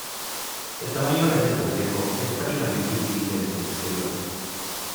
El tamaño real del complejo es prácticamente invisible desde el exterior.